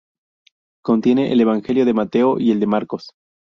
Contiene el Evangelio de Mateo y el de Marcos.